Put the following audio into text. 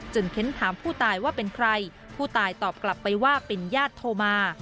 เค้นถามผู้ตายว่าเป็นใครผู้ตายตอบกลับไปว่าเป็นญาติโทรมา